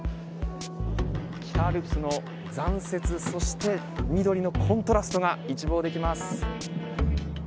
北アルプスの残雪そして緑のコントラストが一望できます。